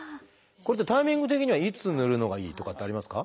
これってタイミング的にはいつぬるのがいいとかってありますか？